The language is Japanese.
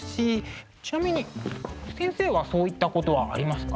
ちなみに先生はそういったことはありますか？